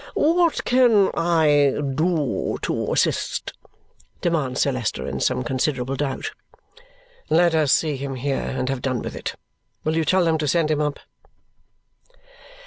"What can I do to assist?" demands Sir Leicester in some considerable doubt. "Let us see him here and have done with it. Will you tell them to send him up?"